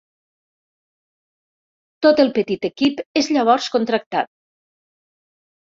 Tot el petit equip és llavors contractat.